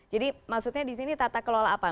jadi maksudnya di sini tata kelola apa